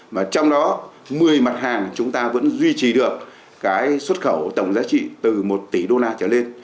mà trong đó một mươi mặt hàng chúng ta vẫn duy trì được cái xuất khẩu tổng giá trị từ một tỷ đô la trở lên